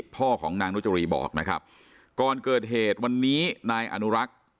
พ่อของนางนุจรีบอกนะครับก่อนเกิดเหตุวันนี้นายอนุรักษ์